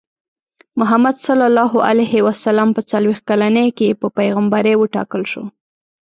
محمد ص په څلوېښت کلنۍ کې په پیغمبرۍ وټاکل شو.